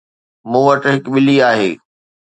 مون وٽ هڪ ٻلي آهي